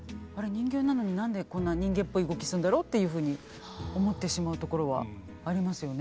人形なのに何でこんな人間っぽい動きするんだろ」っていうふうに思ってしまうところはありますよね。